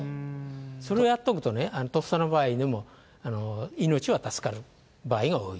それをやっとくとね、とっさの場合でも、命は助かる場合が多い。